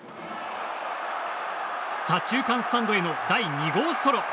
左中間スタンドへの第２号ソロ。